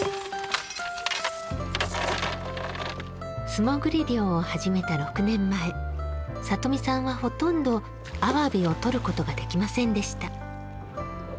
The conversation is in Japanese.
素潜り漁を始めた６年前里見さんはほとんど、あわびをとることができませんでした。